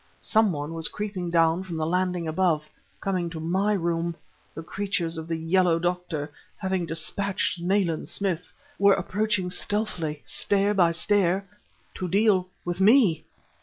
Some one was creeping down from the landing above coming to my room! The creatures of the Yellow doctor, having despatched Nayland Smith, were approaching stealthily, stair by stair, to deal with _me!